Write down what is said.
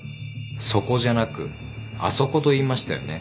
「そこ」じゃなく「あそこ」と言いましたよね。